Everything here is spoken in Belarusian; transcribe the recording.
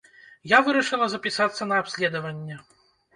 Я вырашыла запісацца на абследаванне.